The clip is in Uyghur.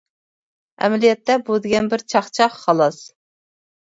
ئەمەلىيەتتە بۇ دېگەن بىر چاقچاق خالاس.